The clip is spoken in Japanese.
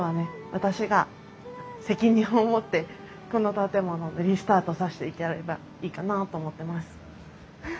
私が責任を持ってこの建物でリスタートさしていければいいかなあと思ってます。